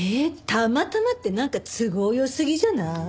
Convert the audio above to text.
たまたまってなんか都合良すぎじゃない？